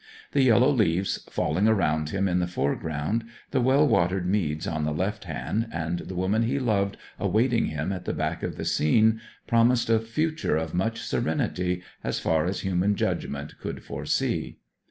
The yellow leaves falling around him in the foreground, the well watered meads on the left hand, and the woman he loved awaiting him at the back of the scene, promised a future of much serenity, as far as human judgment could foresee.